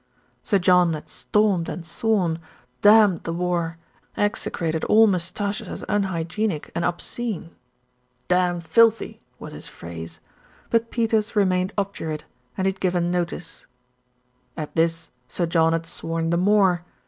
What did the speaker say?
Sir John had stormed and sworn, damned the war, execrated all moustaches as unhygienic and obscene ("damned filthy" was his phrase) ; but Peters remained obdurate, and he had given notice. At this Sir John had sworn the more.